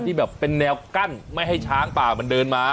แบบเป็นแนวกั้นไม่ให้ช้างป่ามันเดินมา